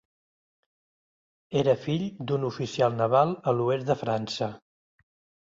Era fill d'un oficial naval a l'oest de França.